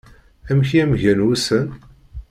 Amek i am-gan wussan?